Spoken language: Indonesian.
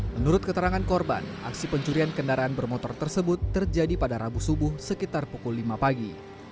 menurut keterangan korban aksi pencurian kendaraan bermotor tersebut terjadi pada rabu subuh sekitar pukul lima pagi